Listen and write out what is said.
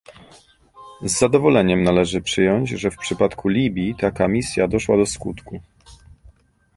Z zadowoleniem należy przyjąć, że w przypadku Libii taka misja doszła do skutku